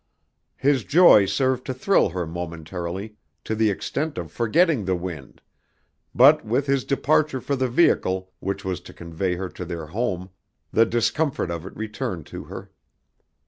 His joy served to thrill her momentarily to the extent of forgetting the wind, but with his departure for the vehicle which was to convey her to their home, the discomfort of it returned to her.